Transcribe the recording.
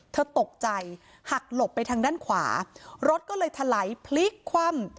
เธอตกใจหักหลบไปทางด้านขวารถก็เลยถลายพลิกคว่ำ